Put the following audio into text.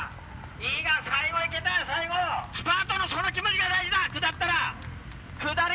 いいか、最後いけたら、最後、スパートのその気持ちが大事だ、下ったら。